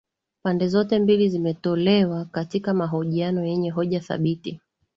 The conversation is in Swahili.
pande zote mbili zimetolewa katika mahojiano yenye hoja thabiti